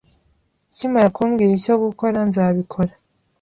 Ukimara kumbwira icyo gukora, nzabikora